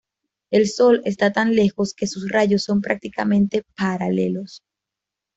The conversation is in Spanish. El Sol está tan lejos que sus rayos son prácticamente paralelos.